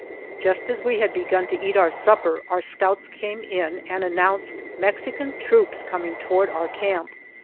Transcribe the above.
Just as we had begun to eat our supper our scouts came in and an nounced Mexican troops coming toward our camp.